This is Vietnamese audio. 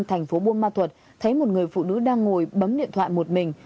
thành phố buôn ma thuật thấy một người phụ nữ đang ngồi bấm điện thoại một mình